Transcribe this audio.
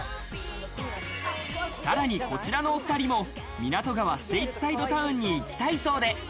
さらにこちらのお２人も港川ステイツサイドタウンに行きたいそうで。